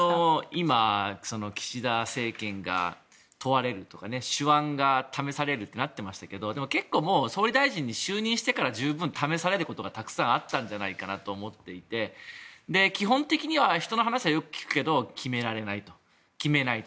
今、岸田政権が問われるとか手腕が試されるとなっていましたがでも結構もう総理大臣に就任してから、試されることがたくさんあったんじゃないかなと思っていて基本的には人の話はよく聞くけれども決めないし、決められない。